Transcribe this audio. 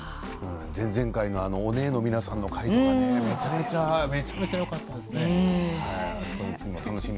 前々回のおねえの皆さんの回めちゃめちゃよかったです。